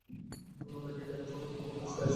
আমরা কি এখানে ফকিন্নির মতো বাঁচতে এসেছি?